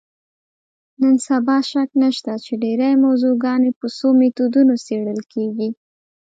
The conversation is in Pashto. نن سبا شک نشته چې ډېری موضوعګانې په څو میتودونو څېړل کېږي.